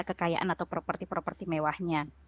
kekayaan atau properti properti mewahnya